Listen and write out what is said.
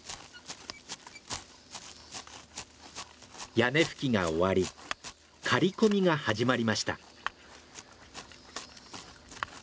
屋根葺きが終わり刈込みが始まりました。